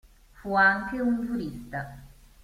Fu anche un giurista.